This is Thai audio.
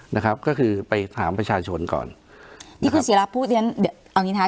นะครับก็คือไปถามประชาชนก่อนที่คุณเสียรับพูดเอาอย่างนี้ฮะ